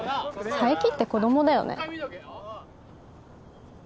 佐伯って子どもだよね。